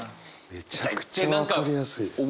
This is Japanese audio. めちゃくちゃ分かりやすい。